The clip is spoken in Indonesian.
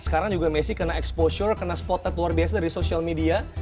sekarang juga messi kena exposure kena spotted luar biasa dari social media